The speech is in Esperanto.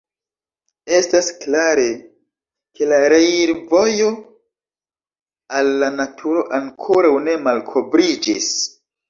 Estas klare ke la reirvojo al la naturo ankoraŭ ne malkovriĝis.